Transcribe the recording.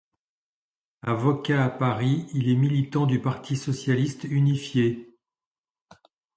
Avocat à Paris, il est militant du Parti socialiste unifié.